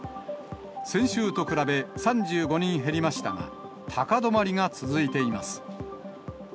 先週と比べ、３５人減りましたが、高止まりが続いています。